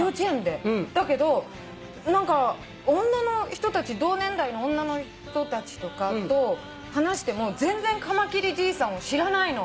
だけど同年代の女の人たちとかと話しても全然『かまきりじいさん』を知らないの。